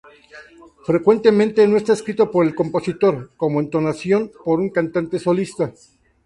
Frecuentemente no está escrito por el compositor, como entonación, por un cantante solista.